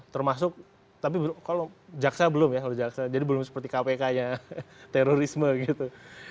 termasuk tapi kalau jaksa belum ya kalau jaksa jadi belum seperti kpk nya terorisme gitu